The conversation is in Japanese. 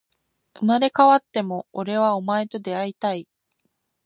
生まれ変わっても、俺はお前と出会いたい